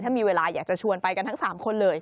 ถ้ามีเวลาอยากจะชวนไปกันทั้ง๓คนเลย